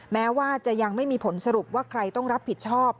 แม้ว่าจะยังไม่มีผลสรุปว่าใครต้องรับผิดชอบ